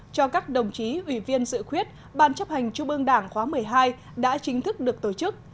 cho các đồng chí ủy viên dự khuyết ban chấp hành trung ương đảng khóa một mươi hai đã chính thức được tổ chức